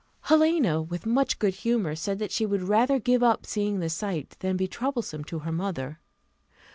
Helena, with much good humour, said that she would rather give up seeing the sight than be troublesome to her mother.